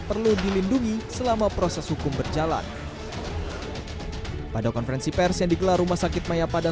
perlu dilindungi selama proses hukum berjalan pada konferensi persian dikelar rumah sakit maya pada